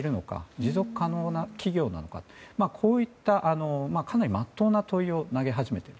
持続可能な企業なのかといったかなりまっとうな問いを投げ始めている。